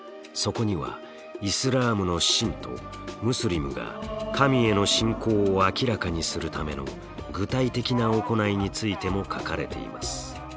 そこにはイスラームの信徒ムスリムが神への信仰を明らかにするための具体的な行いについても書かれています。